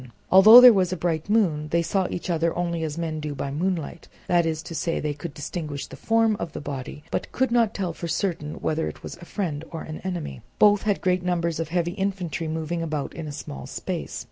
Although there was a bright moon they saw each other only as men do by moonlight, that is to say, they could distinguish the form of the body, but could not tell for certain whether it was a friend or an enemy. Both had great numbers of heavy infantry moving about in a small space.